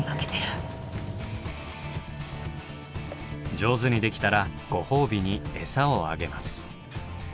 上手にできたらご褒美にエサをあげます。